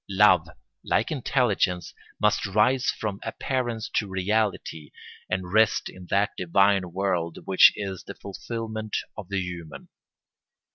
Love, like intelligence, must rise from appearance to reality, and rest in that divine world which is the fulfilment of the human.